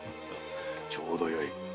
ちょうどよい。